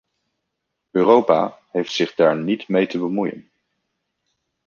Europa heeft zich daar niet mee te bemoeien.